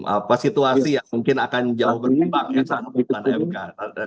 apa situasi mungkin akan jauh berkembang